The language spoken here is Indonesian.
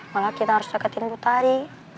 malah kita harus deketin butari